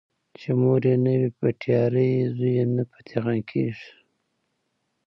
چې مور یې نه وي بټيارۍ زوی يې نه فتح خان کيږي